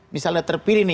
misalnya terpilih ini